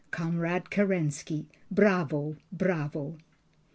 Comrade Kerensky, Bravo, Bravo!